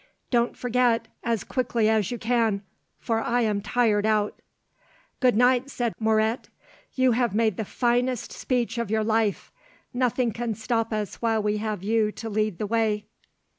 Don't forget, as quickly as you can, for I am tired out." "Good night," said Moret. "You have made the finest speech of your life. Nothing can stop us while we have you to lead the way."